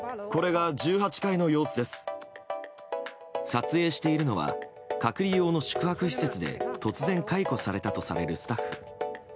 撮影しているのは隔離用の宿泊施設で突然、解雇されたとされるスタッフ。